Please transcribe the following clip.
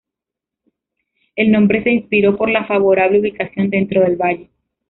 El nombre se inspiró por la favorable ubicación dentro del valle.